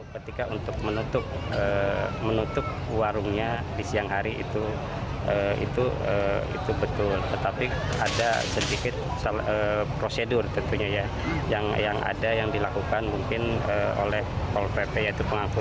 ketika untuk menutup warungnya di siang hari itu